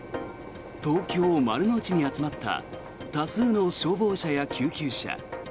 東京・丸の内に集まった多数の消防車や救急車。